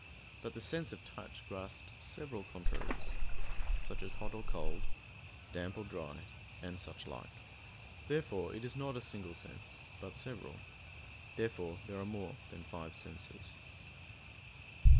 But the sense of touch grasps several contraries; such as hot or cold, damp or dry, and suchlike. Therefore it is not a single sense but several. Therefore there are more than five senses.